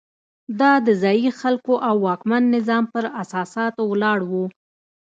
دا د ځايي خلکو او واکمن نظام پر اساساتو ولاړ وو.